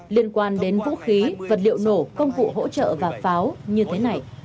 liên quan đến vũ khí vật liệu nổ công cụ hỗ trợ và pháo như thế này